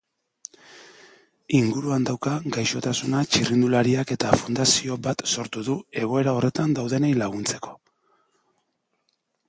Inguruan dauka gaixotasuna txirrindulariak eta fundazio bat sortu du egoera horretan daudenei laguntzeko.